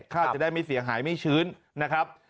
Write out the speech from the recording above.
จะได้ไม่เสียหายไม่ชื้นนะครับ